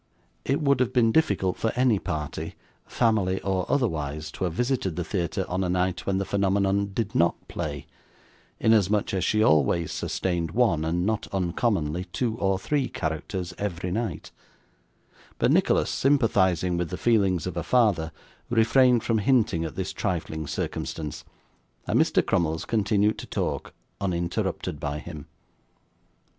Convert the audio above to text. It would have been difficult for any party, family, or otherwise, to have visited the theatre on a night when the phenomenon did NOT play, inasmuch as she always sustained one, and not uncommonly two or three, characters, every night; but Nicholas, sympathising with the feelings of a father, refrained from hinting at this trifling circumstance, and Mr Crummles continued to talk, uninterrupted by him.